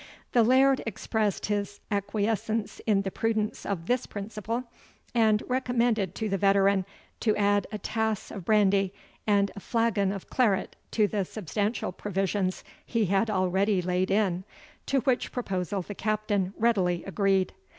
The Laird expressed his acquiescence in the prudence of this principle, and recommended to the veteran to add a tass of brandy and a flagon of claret to the substantial provisions he had already laid in, to which proposal the Captain readily agreed.